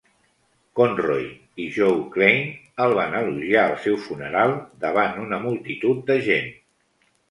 Conroy i Joe Klein el van elogiar al seu funeral, davant una multitud de gent.